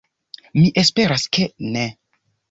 Mi esperas, ke ne.